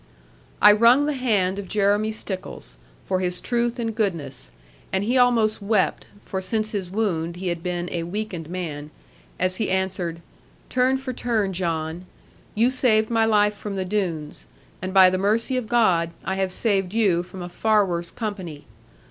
I wrung the hand of Jeremy Stickles, for his truth and goodness; and he almost wept (for since his wound he had been a weakened man) as he answered, 'Turn for turn, John. You saved my life from the Doones; and by the mercy of God, I have saved you from a far worse company.